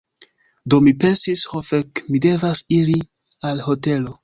Do mi pensis "Ho fek, mi devas iri al hotelo."